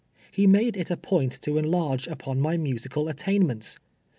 lie made it a point to enlarge upon my musical attainments.